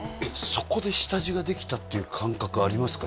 そこで下地ができたっていう感覚ありますか？